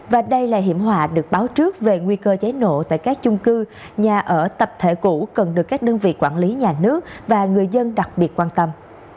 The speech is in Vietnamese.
và đây là hiểm họa được báo trước về nguy cơ cháy nổ tại các chung cư nhà ở tập thể cũ cần được các đơn vị quản lý nhà nước và người dân đặc biệt quan tâm